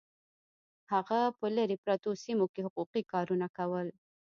هغه په لرې پرتو سیمو کې حقوقي کارونه کول